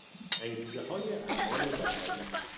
انگیزههای اعمال بشری